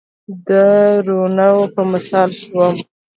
د روڼاوو په مثال شوم